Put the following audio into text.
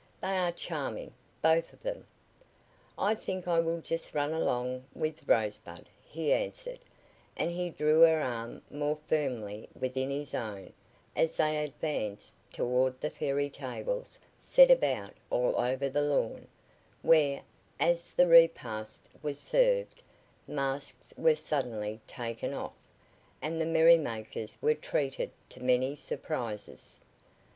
They are charming both of them." "I think I will just run along with Rosebud," he answered, and he drew her arm more firmly within his own as they advanced toward the fairy tables set about all over the lawn, where, as the repast was served, masks were suddenly taken off, and the merrymakers were treated to many surprises.